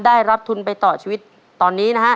ได้รับทุนไปต่อชีวิตตอนนี้นะฮะ